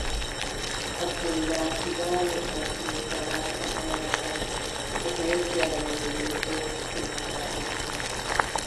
Abdoulaye laami, altine salaasa alarba, o hoosi amin wuro o wartiri saare.